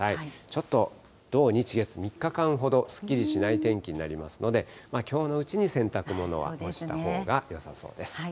ちょっと土日月、３日間ほど、すっきりしない天気になりますので、きょうのうちに洗濯物は干したほうがよさそうです。